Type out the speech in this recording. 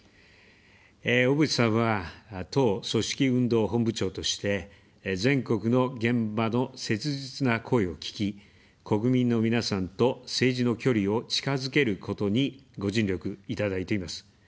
小渕さんは、党組織運動本部長として、全国の現場の切実な声を聞き、国民の皆さんと政治の距離を近づけることにご尽力いただいています。